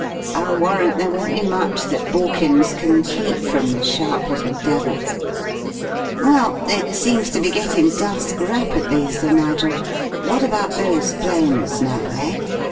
I'll warrant there won't be much that Borkins can keep from the sharp little devil! Well, it seems to be getting dusk rapidly, Sir Nigel, what about those flames now, eh?